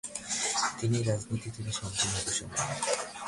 তিনি রাজনীতি থেকে সম্পূর্ণ অবসর নেন।